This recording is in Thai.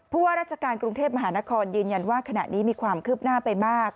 ว่าราชการกรุงเทพมหานครยืนยันว่าขณะนี้มีความคืบหน้าไปมาก